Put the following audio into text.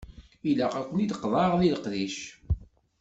Ilaq ad ken-id-qeḍɛeɣ deg leqdic.